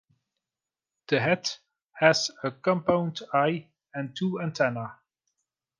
The head has a compound eye and two antenna.